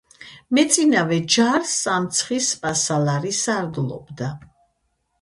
მეწინავე ჯარს „სამცხის სპასალარი“ სარდლობდა.